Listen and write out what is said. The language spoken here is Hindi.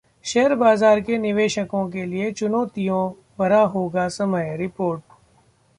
शेयर बाजार के निवेशकों के लिए चुनौतियों भरा होगा समय: रिपोर्ट